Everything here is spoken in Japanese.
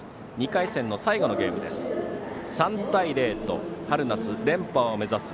２回戦の最後のゲームです。